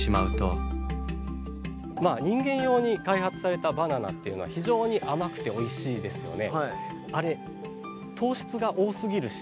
人間用に開発されたバナナっていうのは非常に甘くておいしいですよね。